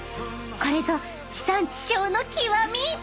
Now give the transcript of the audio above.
［これぞ地産地消の極み］